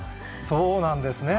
そうなんですね。